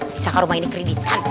misalkan rumah ini kreditan